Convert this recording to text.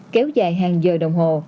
kéo dài hàng giờ đồng hồ